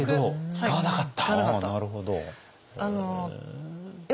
使わなかった。